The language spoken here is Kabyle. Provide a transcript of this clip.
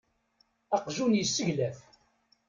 Aqjun yesseglaf.